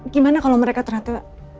gimana kalau mereka ternyata